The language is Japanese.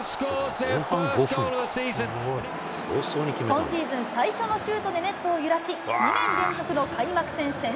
今シーズン最初のシュートでネットを揺らし、２年連続の開幕戦先